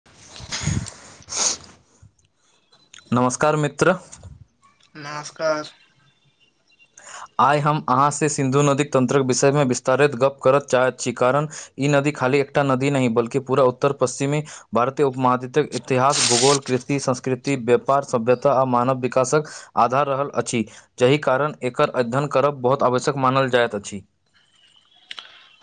[inaudible] नमस्कार मित्र नमस्कार आइ हम अहाँसँ सिन्धु नदीक तन्त्रक विषयमे विस्तारित गप्प करय चाहैत छी कारण ई नदी खाली एकटा नदी नहि बलकी पूरा उत्तर पश्चिमी भारतीय उपमहाद्वितक इतिहास भूगोल कृषति संस्कृति व्यापार सभ्यता आ मानव विकासक आधार रहल अछि जाहि कारण एकर अध्ययन करब बहुत आवश्यक मानल जाइत अछि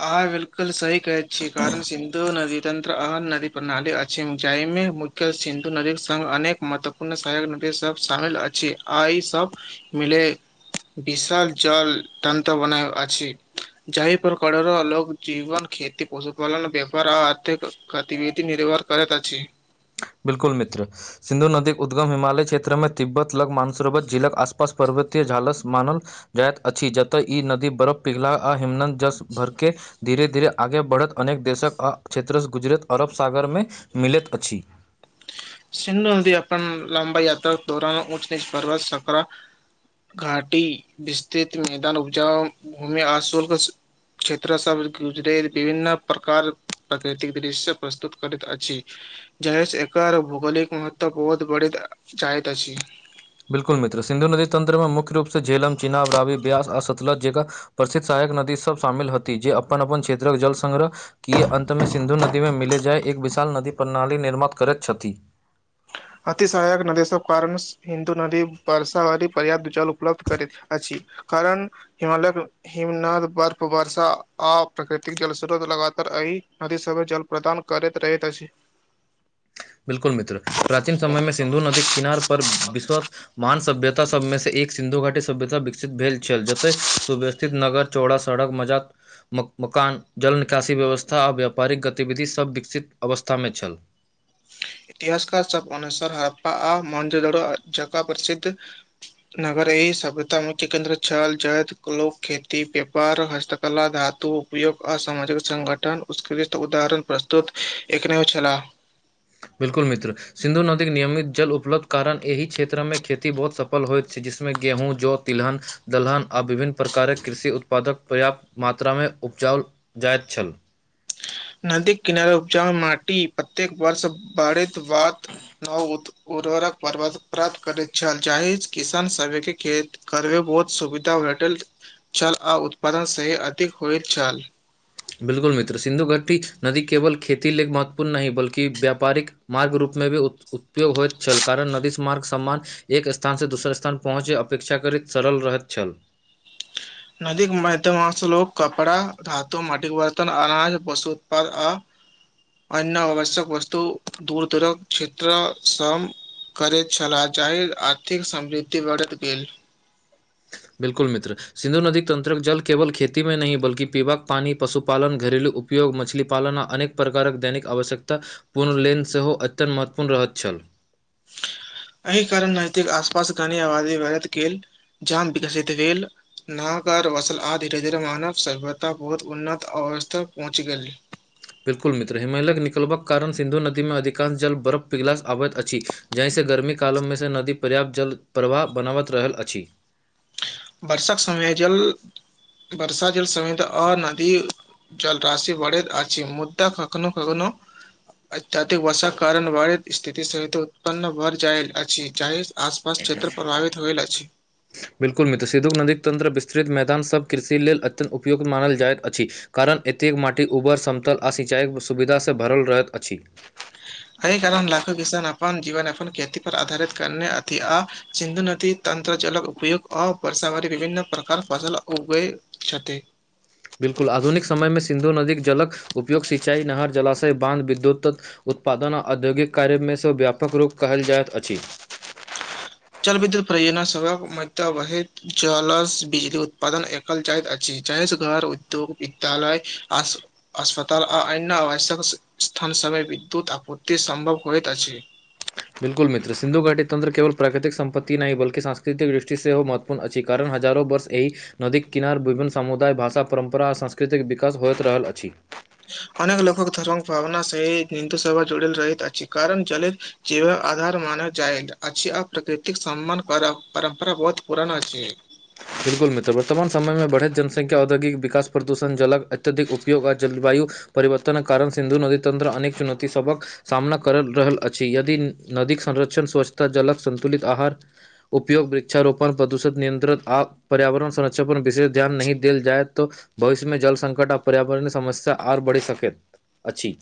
आहाँ बिलकुल सही कहै छी कारण सिन्धु नदी तन्त्र अहन नदी प्रणाली अछि जाहिमे मुख्य सिन्धु नदीक संग अनेक मत्व पुनः सहायक नदी सब शामिल अछि आ ई सब मिले विशाल जल तंत्र बनय अछि जहि पर कड़ोरो लोग जीवन खेती पशुपालन व्यापार आ आर्थिक गतिविधि निर्भर करैत अछि बिल्कुल मित्र सिन्धु नदी उद्गम हिमालय क्षेत्र मे तिब्बत लग मानसरोवर झिलक आसपास पर्वतीय झालस मानल जाइत अछि जतय ई नदी बरफ पिघला आ हिमनत जस भरके धीरे धीरे आगे बढ़त अनेक देशक आ क्षेत्रसँ गुजरत अरब सागरमे मिलैत अछि सिन्धु नदी अपन लम्बा याता दौरान ऊच नीच पर्वत संक्रा घाटी विस्तृित मैदान उपजा भूमि आशुल्क क्षेत्र सब गुजरै विभिन्न प्रकार प्रकृतिक दृश्य प्रस्तुत करैत अछि जाहिसँ एकर भौगोलिक महत्व बहुत बढै जाइत अछि बिल्कुल मित्र सिन्धु नदी तंत्र मे मुख्य रूपसँ झेलम चिनाव रावी ब्यास आ सतलज जेका प्रसिद्ध सहायक नदी सब शामिल हती जे अपन अपन क्षेत्रक जल संग्रह कीऽ अन्तमे सिन्धु नदीमे मिले जाय एक विशाल नदी प्रणाली निर्माात करैत छथि अतिशहायक नदीसभ कारण हिन्दू नदी बर्सााहरी पर्याप्त जल उपलब्ध करैत अछि कारण हिमालयक हिमनाद बर्फ वर्षा आ प्राकृतिक जलस्रोत लगातार एहि नदी सभ जल प्रदान करैत रहैत अछि बिलकुल मित्र प्राचीन समय मे सिन्धु नदी किनार पर विश्वस महान सभ्यता सभमेसँ एक सिन्धु घाटी सभ्यता विकसित भेल छल जतय सुब्यस्थित नगर चौड़ा सड़क मजात मुऽ मकान जल निकासी व्यवस्था आ व्यापारिक गतिविधि सभ विकसित अवस्थामे छल इतिहासकार सब अनुसार हड़प्पा आ महनजोरो जगह प्रसिद्ध नगर ई सभ्यता मुख्य केन्द्र छल जैतय लोक खेती व्यापार कला धातु उपयोग आ सामाजिक संगठन उत्कृष्ट उदाहरण प्रस्तुत एकनयो छलाह बिलकुल मित्र सिन्धु नदीक नियमित जल उपलब्ध कारण एहि क्षेत्रमे खेती बहुत सफल होइत छै जिसमे गेहूँ जौ तिलहन दलहन आ विभिन्न प्रकारक कृषि उत्पादक पर्याप्त मात्रामे उपजाओल जाइत छल नदीक किनार उपजा माटि प्रत्येक वर्ष बढ़ित बात नव उत उर्वरक प्राप्त करैत छल जाहि किसान सभके खेती करबे बहुत सुविधा भेटल छल आ उत्पादन सही अधिक होइत छल बिल्कुल मित्र सिन्धु घट्टी नदी केवल खेती ल लेल महत्वपूर्ण नहि बल्कि व्यापारिक मार्ग रूपमे भी उपयोग होइत छल कारण नदीसँ मार्ग सम्मान एक स्थान से दोसर स्थान पहुँचे अपेक्षा करैत सरल रहैत छल नदी के मध्यमश लोग कपड़ा धातो माटिके बर्तन अनाज पशु उत्पाद आ अन्य आवश्यक वस्तु दूर दूरक क्षेत्र स करैत छलाह जाहि आर्थिक समृद्धि बढ़त गेल बिल्कुल मित्र सिन्धु नदी तंत्रक जल केवल खेती मे नहि बल्कि पीबाक पानि पशुपालन घरेलू उपयोग उपयोग मछलीपालन आ अनेक प्रकारक दैनिक आवश्यकता पूर्णलेन सेहो अत्यत महत्वपूर्ण रहत छल एहि कारण नैतिक आसपास घनी आबादी बरत गेल जाम विकसित भेल नाग वसल आ धीरे धीरे मानव सभ्यता बहुत उन्नत अवसतक पहुँच गेल बिल्कुल मित्र हिमालय निकलबाक कारण सिन्धु नदीमे अधिकांश जल बरफ पिघलासँ आबैत अछि जाहिसँ गर्मी कालममे सँ नदी पर्याप्त जलप्रवाह बनाबैत रहल अछि वर्षाक समय जल बर्षा जल समत अ नदी जल राशि बढ़े अछि छै मुदा कखनो कखनो अत्यधिक वषा कारण व स्थिति सहित उत्पन्न भर जाईल अछि जहि आसपास क्षेत्र प्रभावित होइल अछि बिल्कुल मित्रसिधुक नदीक तंत्र विस्तृत मैदानसभ कृषि लेल अत्यन्त उपयोग्त मानल जाइत अछि कारण एतेक माटि उबर समतल आ सिंचाईक सुविधासँ भरल रहैत अछि एहि कारण लाखो किसान अपन जीवन अपन खेती पर आधारित करने अथी आ सिन्धु नदी तंरजलक उपयोग आ वरषावरी विभिन्न प्रकार फसल उगै छथि बिल्कुल आधुनिक समय मे सिन्धु नदीक जलक उपयोग सिंचाई नहर जलाशय बाध विद्युत उत्पादन औद्योगिक कार्यमेसँ व्यापक रूप कहल जाइत अछि जल विद्युत परियोजना सभक मध्यावहैत जलस बिजली उत्पादन जाइत अछि जाहिसँ घर उद्योग विद्यालय आस अस्पताल आ अन्य आवश्यक स्थान सभमे विद्युत आपत्ति सम्भव होइत अछि बिल्कुल मित्र सिन्धु घाटी तंत्र केवल प्राकृिक संपतति नहि बल्कि सांस्कृतिक दृष्टि से हो महत्व अपन अछि कारण हजारो वर्ष एहि नदीके किनार विभिन्न सामुदाय भाषा परम्परा आ सांस्कृतिक विकास होइत रहल अछि अनेक लोक धर्मक भावना सहि हिन्दू सभा जोड़ल रहहि कारण जल जीव आधार मानल जाय अछि आर प्रकृतिक सम्मान करब परम्परा बहुत पुरान अछि बिल्कुल मित्र वर्तमान समयमे बढ़ैत जनसंख्या औद्योगिक विकास प्रदूषण जलक अत्यधिक उपयोग आ जलवायु परिवर्तन कारण सिन्धु नदी तंत्र अनेक चुनौती सबक सामना करि रहल अछि यदि नदीक संरक्षण स्वच्छता जलक संन्तुलित आहार उपयोग वृक्षारोपण प्रदूषित नियन्त्रित आ पर्यावरण संरक्षण पर विशेष ध्यान नहि देल जाय तऽ भविष्यमे जल संकट आ पर्यावरणय समस्या आओर बढ़ि सकैत अछि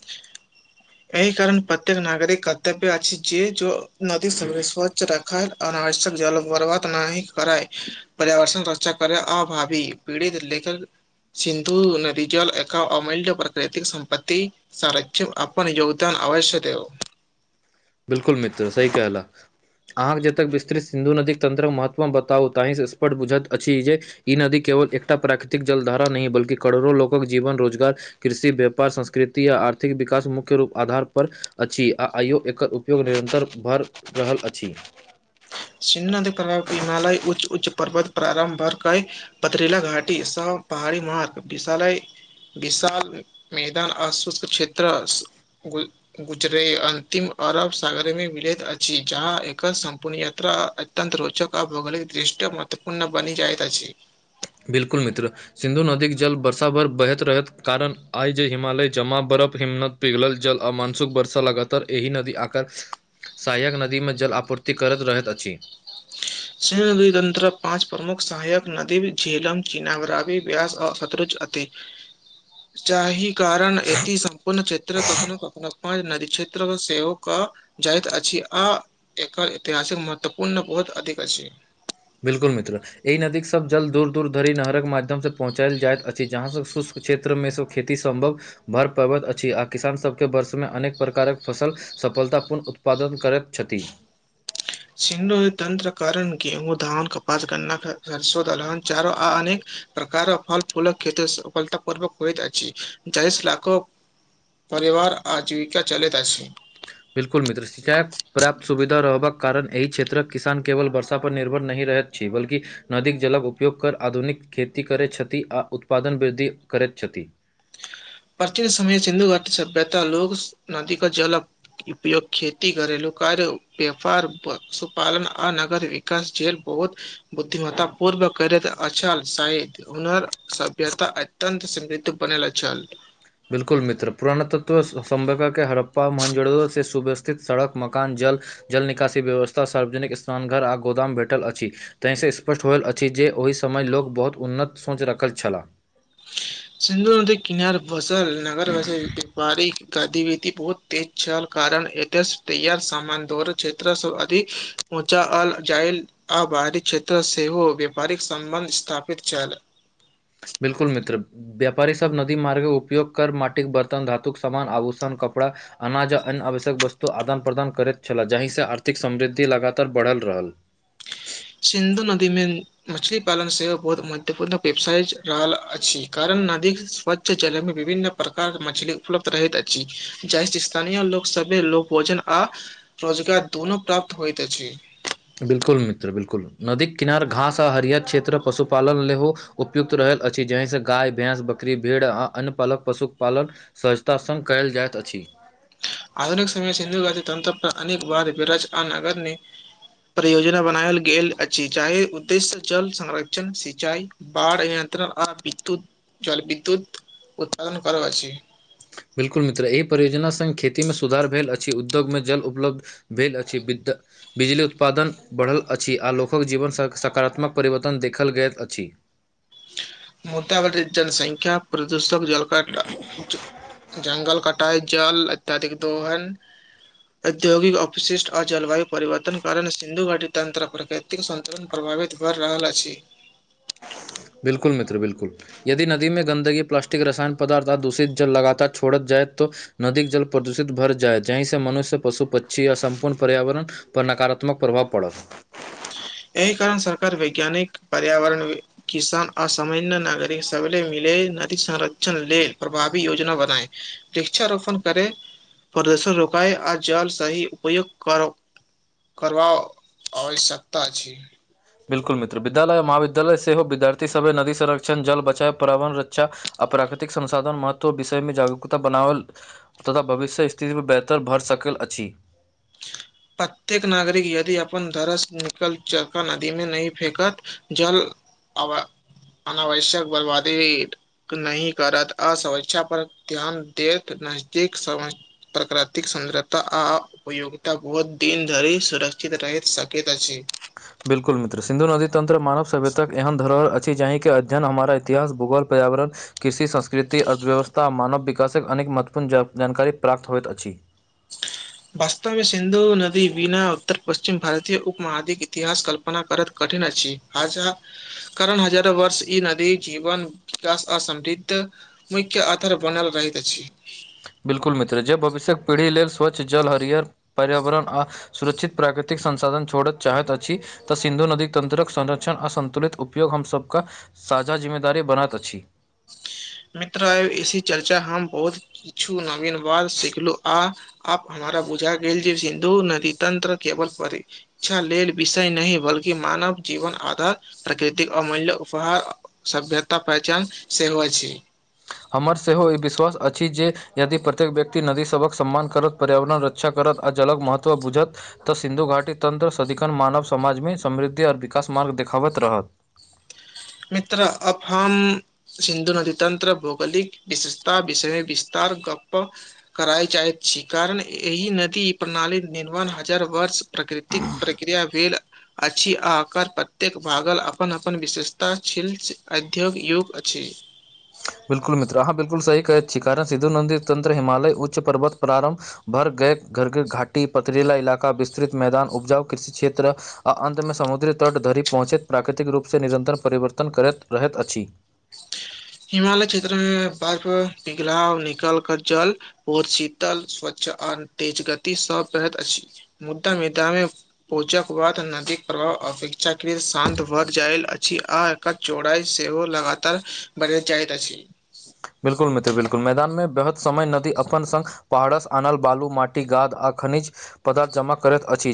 एहि कारण प्रत्येक नागरिक कर्तव्य अछि छै जे जो नदी सरेश्व रखए अनावश्यक जल बर्बाद नाहि करए पर्यावर्षण रक्षा करै अभावी पीड़ित लेखक सिन्धु नदी जल एक अमूल्य प्राकृतिक संपतति सर्षम अपन योगदान आवश्यक देब बिल्कुल मित्र सही कहयलऽ अहाँके जतय विस्तृ सिन्धु नदीके तंत्रक महत्व बताउ तहि स्पष्ट बुझैत अछि जे ई नदी केवल एकटा प्राकृतिक जलधारा नहि बल्कि करोड़ो लोकक जीवन रोजगार कृषि व्यापार संस्कृति आ आर्थिक विकास मुख्य रूप आधार पर अछि आ आयो एकर उपयोग निरन्तर भऽ रहल अछि सिन्ह प्रभाव हिमालय उच्च उच्च पर्वत प्रार्भ भर क पतरीला घाटी स पहाड़ी मार्ग विशाल विशाल मैदाान आस्वस क्षेत्र गुजरे अन्तिम अरब सागरमे मिलित अछि जहाँ एक सम्पूर्ण य अत्यत रोचक आ भौगोलिक दृष्ट्य महत्वपूर्ण बनि जाइत अछि बिल्कुल मित्र सिन्धु नदीके जल वर्षाभर बहैत रहैत कारण आइ जे हिमालय जमा बरफ हिम्मनत पिघल जल अमानसुक वर्षा लगातार एहि नदी आकर सहायक नदीमे जल आपूर्ति करैत रहैत अछि स नदी तंत्रक पाँच प्रमुख सहायक नदी झेलम चीनागरावी ब्यस आ सतरुज अछि [inaudible] जाहि कारण एती सम्पूर्ण क्षेत्र कखनो कखनो पाँच नदी क्षेत्र सेहो कऽ जाइत अछि आ एकर ऐतिहासिक महत्वपूर्ण बहुत अधिक अछि बिल्कुल मित्र ई नदीक सब जल दूर दूर धरि नहरक माध्यम से पहुँचायल जायइत अछि जहाँ से शुष्क क्षेत्रमे सँ खेती सम्भव भऽ पाबैत अछि आ किसान सबके वर्षमे अनेक प्रकारक फसल सफलता पूर्ण उत्पादन करैत छथि सिंडो तत्र करण गेहू धान कपास गन्ना सरसो दलन चारो आ अनेक प्रकार फल फूल खेतेसे सफलता पूर्वक हुइत छै जाहि ईलाका परिवार आजीविका चलैत अछि बिलकुल मित्र सिंचाय प्राप्त सुविधा रहबाक कारण एहि क्षेत्रक किसान केवल वर्षा पर निर्भर नहिं रहैत छै बल्कि नदीक जलक उपयोग कर आधुनिक खेती करैत छथि आ उत्पादन वृद्धि करैत छथि प्राचीन समय सिन्धु घाट सभ्यता लोग नदी क जल उयोग खेती करलू कार्य व्यपार पशुपालन आ नगर विकास जेल बहुत बुद्धिमता पूर्व कर अचल शायत हुनर सभ्यता अत्यंत समृद्ध बनेेल छल बिलकुल मित्र पुरानतत्व संभभ के हड़प्पा मजरु से सुबस्थित सड़क मकान जल जल निकासी व्यवस्था सार्वजनिक स्नानघर आ गोदाम भेटल अछि ताहिसँ स्पष्ट होल अछि जे ओहि समय लोक बहुत उन्नत सोच रखल छलाह सिंधु नदी किनार बसल नागर गस बड़ी गतिविधि बहुत तेज छल कारण एत तैयार सामान दर क्षेत्र स अधि पहुँचा आल जायल आ बाहरी क्षेत्र सेहो व्यापारिक सम्बन्ध स्थापित छल बिलकुल मित्र व्यापारी सब नदी मार्ग उपयोग कर माटिक बर्तन धातुक समामान आभूषण कपड़ा अनाज आ अन्य आवश्यक वस्तु आदान प्रदान करैत छलह जहि से आर्थिक समृद्धि लगातार बढ़ल रहल सिन्धु नदीमे मछली पालन सेहो बहुत महत्वपूर्ण व्यवसाय रहल अछि कारण नदी स्वच्छ जले मे विभिन्न प्रकार मछली उपलब्ध रहैत अछि जाहिसँ स्थानीय लोक सभे लोक भोजन आ रोजगार दुनू प्राप्त होइत अछि बिलकुल मित्र बिलकुल नदी किनार घास आ हरियर क्षेत्र पशुपालन लेल उपयुक्त रहल अछि जाहिसँ गाय भैंस बकरी भेड़ आ अन्न पालक पशुपालन सहजतास संग कयल जाइत अछि आधुनिक समय सिन्दु घति त्तंत परक बाद बिरज आ नगर नि परियोजना बनायल गेल अछि चाहे उद्देश्य जल संरक्षण सिंचाई बाढ़ नियन्त्रण आ विद्युत जल विद्युत उत्पादन करब अछि बिलकुल मित्र एहि परियोजना संग खेती मेमे सुधार भेल अछि उद्योगमे जल उपलब्ध भेल अछि बिद बिजली उत्पादन बढ़ल अछि आ लोकक जीवन ससकारात्मक परिवर्तन देखल गेल अछि मुदाब जनसंख्या प्रदूषक जलकट जगल कट [unintelligible] कटाइ जल अत्यधिक दोहन औद्योगिक अपवशिष्ट आ जलवायु परिवर्तन कारण सिन्धु घाटी तन्त्र प्रकट संतुलन प्रभावित भऽ रहल अछि बिलकुल मित्र बिलकुल यदि नदी मे गन्दगी प्लास्टिक रसायन पदार्थ आ दूषित जल लगातार छोड़त जाय तऽ नदी जल प्रदूषित भर जाय जहि से मनुष्य पशु पक्षी या सम्पूर्ण पर्यावरण पर नकारात्मक प्रभाव पड़त एहि कारण सरकार वैज्ञानिक पर्यावरण बिद किसान असामान्य नागरिक सब मिले नदी संरक्षण लेल प्रभावी योजना बनाए वृक्षारोपण करे प्रदूषन रोकाय आ जल सही उपयोग करो करवा आवश्यकता छि बिल्कुल मित्र विद्यालय महाविद्यालय सेहो विद्यार्थी सभे नदी संरकण जल बचाव पर्यावरण रक्षा अप्राकृतिक संसाधन महत्व विषयमे जागरूकता बनावल तथा भविष्य स्थितिमे बेहतर भरि सकल अछि प्रत्येक नागरिक यदि अपन धरस निकल चका नदी मे नहि फेकत जल अवा अनावश्यक बरबादी इट नहि करत असुर्षा पर ध्यान देत नजदीक प्राकृतिक सुन्द्रता आ उपयोगिता बहुत दिन धरि सुरक्षित रहि सकैत अछि बिलकुल मित्र सिन्धु नदी तंत्र मानव सभ्यताक एहन धरोहर अछि छी जाहि के अध्ययन हमर इतिहास भूगोल पर्यावरण कृषि संस्कृति अर्थव्यवस्था आ मानव विकासक अनेक महत्वपूर्ण जानकारी प्राप्त होइत अछि [inaudible] वास्तवमे सिन्धु नदी बिना उत्तर पश्चिम भारतीय उपमहादिके इतिहास कल्पना करैत कठिन अछि हजा कारण हजारो वर्ष ई नदी जीवन विकास आ समृद्ध मुख्य आधार बनाल गेल अछि बिलकुल मित्र जे भविष्यक पीढ़ी लेल स्वच्छ जल हरियर पर्यावरण आ सुरक्षित प्राकृतिक संसाधन छोड़य चाहैत अछि तऽ सिन्धु नदी तंत्रक संरक्षण आ संन्तुलित उपयोग हम सभ कऽ साझा जिम्मेदारी बनात अछि मित्र आई चर्चा हम बहुत किछु नवीन बात सिखलहु आ आप हमरा बुझा गेल जे सिन्धु नदी तंत्र केवल परी क्षा लेल विषय नहि बल्कि मानव जीवन आधार प्रकृतिक अमूल्य उपहार सभ्यता पहचान सेहो अछि हमर सेहो ई विश्वास अछि जे यदि प्रत्येक व्यक्ति नदी सभक सम्मान करत पर्यावरण रक्षा करत आ जलक महत्व बुझत तऽ सिन्धु घाटी तन्त्र सदिखन मानव समाजमे समृद्धि आओर विकास मार्ग देखाबैत रहत मित्र अफम सिन्धु नदी तंत्र भौगोलिक विशेषता विषयमे विस्तार गप्प करय चाहैत छी कारण एहि नदी प्रणाली निर्माण हजार वर्ष प्रकृतिक प्रक्रिया भेल अछि आकर प्रत्येक भागल अपन अपन विशेषता [unintelligible] ता छिल अध्यक युग अछि बिलकुल मित्र अहाँ बिलकुल सी कहैत छी कारण सिधु नदी तन्त्र हिमालय उच्च पर्वत प्रारमभ भरगर घर घाटी पतरीला इलाका विस्तृत मैदान उपजाउ कृषि क्षेत्र आ अन्तमे समुद्री तट धरि पहुँचैत प्राकृतिक रूपसँ निरन्तर परिवर्तन करैत रहैत अछि हिमालय क्षेत्र मे बर्फ पिघलाव निकल कर जल त शीतल स्वच्छ आओर तेज गति सब बहैत अछि मुद्दा मिथिलामे पूजाक बाद नदी प्रभाव अपेक्षाकृत शान्त भर जायल अछि का चौड़ाई सेहो लगातार बढ़ जाइत अछि बिल्कुल मित्र बिल्कुल मैदानमे बेहद समय नदी अपन संघ पहाड़स आनल बालू माटी इ गाद आ खनिज पदार्थ जमा करैत अछि